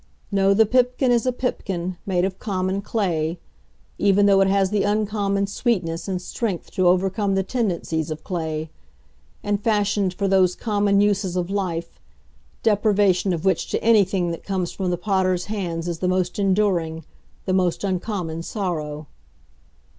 No, the Pipkin is a pipkin, made of common clay even though it has the uncommon sweetness and strength to overcome the tendencies of clay and fashioned for those common uses of life, deprivation of which to anything that comes from the Potter's hands is the most enduring, the most uncommon sorrow.